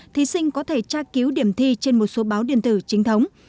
thí sinh có thể tra cứu điểm thi trên một số báo điện thử chính thống